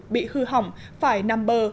bị hư hỏng phải nằm bờ